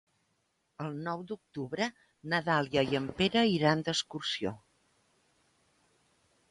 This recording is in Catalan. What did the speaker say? El nou d'octubre na Dàlia i en Pere iran d'excursió.